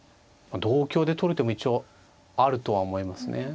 同香で取る手も一応あるとは思いますね。